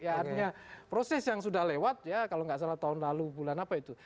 artinya proses yang sudah lewat ya kalau nggak salah tahun lalu bulan apa itu